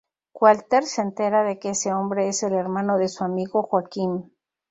Walter se entera de que ese hombre es el hermano de su amigo Joaquim.